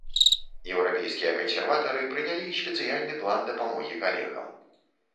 Еўрапейскія кансерватары прынялі спецыяльны план дапамогі калегам.